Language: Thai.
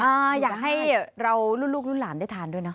อยากให้เรารุ่นลูกรุ่นหลานได้ทานด้วยนะ